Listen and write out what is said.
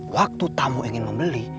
waktu tamu ingin membeli